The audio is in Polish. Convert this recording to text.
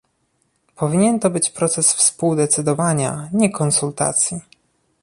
Powinien to być proces współdecydowania, nie konsultacji